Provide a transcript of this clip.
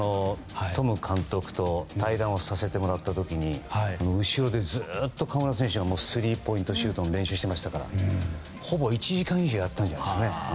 トム監督と対談をさせてもらった時に後ろでずっと河村選手がスリーポイントシュートの練習をしていましたからほぼ１時間以上やったんじゃないですかね。